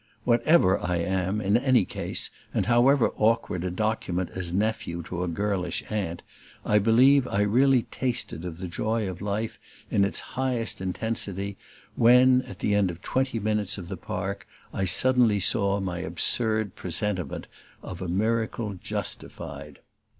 Whatever I am, in any case, and however awkward a document as nephew to a girlish aunt, I believe I really tasted of the joy of life in its highest intensity when, at the end of twenty minutes of the Park, I suddenly saw my absurd presentiment of a miracle justified.